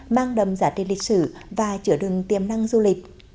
mang đầm giả trị lịch sử và chữa đừng tiềm năng du lịch